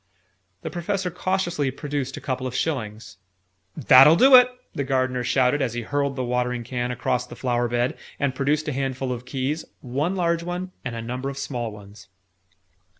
The Professor cautiously produced a couple of shillings. "That'll do it!" the Gardener shouted, as he hurled the watering can across the flower bed, and produced a handful of keys one large one, and a number of small ones.